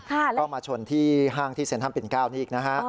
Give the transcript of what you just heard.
ก็มาชนที่ห้างที่เซ็นทรัมปิ่นเก้านี่อีกนะฮะ